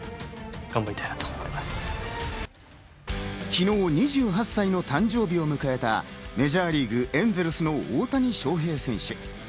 昨日、２８歳の誕生日を迎えたメジャーリーグ・エンゼルスの大谷翔平選手。